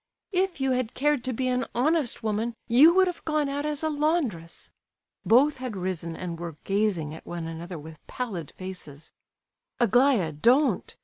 "If you had cared to be an honest woman, you would have gone out as a laundress." Both had risen, and were gazing at one another with pallid faces. "Aglaya, don't!